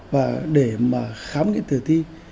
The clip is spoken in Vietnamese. và để mà khám nghiệm thử thi